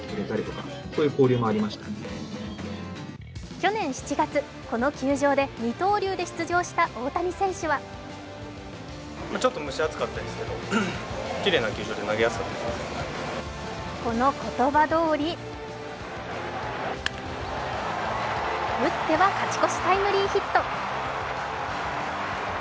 去年７月、この球場で二刀流で出場した大谷選手はこの言葉どおり打っては勝ち越しタイムリーヒット。